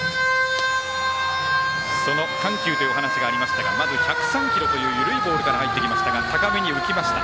その緩急というお話がありましたがまず１０３キロという緩いというボールから入ってきましたが高めに浮きました。